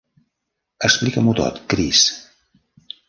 Explica-m'ho tot, Kris.